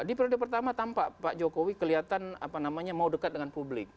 di periode pertama tampak pak jokowi kelihatan mau dekat dengan publik